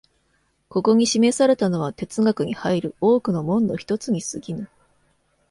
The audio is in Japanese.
ここに示されたのは哲学に入る多くの門の一つに過ぎぬ。